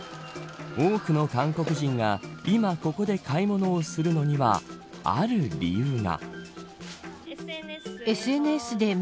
多くの韓国人が今ここで買い物をするのにはある理由が。